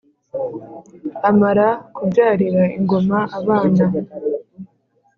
Amara kubyarira ingoma abana